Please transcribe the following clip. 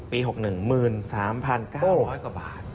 ปี๖หนึ่ง๑๓๙๐๐กว่าบาท